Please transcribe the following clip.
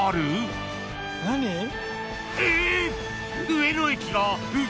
［えっ！？］